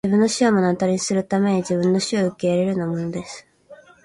自分の死を目の当たりにするために自分の死を受け入れるようなものです!